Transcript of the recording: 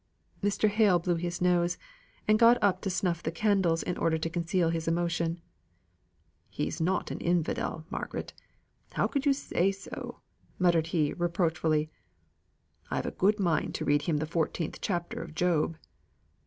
Mr. Hale blew his nose, and got up to snuff the candles in order to conceal his emotion. "He's not an infidel, Margaret; how could you say so?" muttered he reproachfully. "I've a good mind to read him the fourteenth chapter of Job."